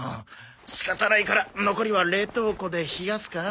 仕方ないから残りは冷凍庫で冷やすか？